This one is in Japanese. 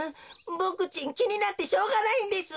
ボクちんきになってしょうがないんです。